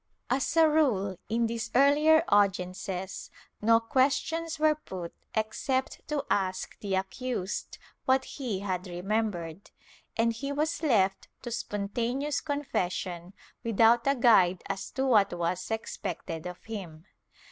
As a rule, in these earher audiences, no questions were put except to ask the accused what he had remembered, and he was left to spontaneous confession, without a guide as to what was expected of him.